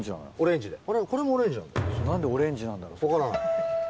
何でオレンジなんだろう？分からん。